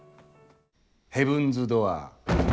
ヘブンズ・ドアー。